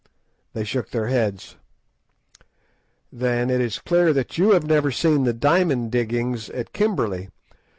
They shook their heads. "Then it is clear that you have never seen the diamond diggings at Kimberley.